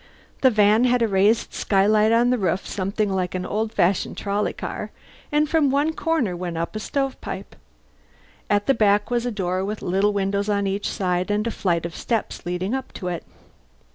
The van had a raised skylight on the roof, something like an old fashioned trolley car; and from one corner went up a stove pipe. At the back was a door with little windows on each side and a flight of steps leading up to it.